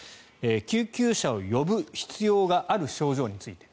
救急車を呼ぶ必要がある症状について。